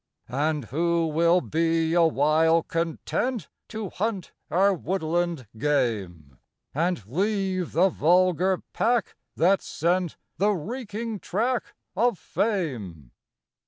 And who will be awhile content To hunt our woodland game, And leave the vulgar pack that scent The reeking track of fame?